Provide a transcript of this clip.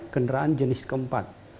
kendaraan jenis keempat